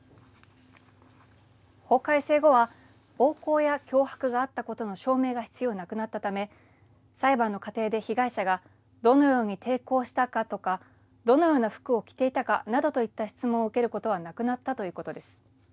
法改正後は暴行や脅迫があったことの証明が必要なくなったため裁判の過程で被害者がどのように抵抗したかとかどのような服を着ていたかなどといった質問を受けることはなくなったということです。